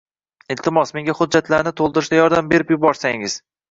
Iltimos menga hujjatlarni to'ldirishda yordam berishib yuborsangiz.